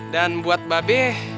dan buat babe